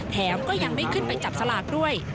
แถมก็ยังไม่ขึ้นไปจับสลากด้วย